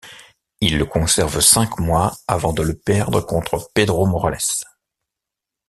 Il le conserve cinq mois avant de le perdre contre Pedro Morales.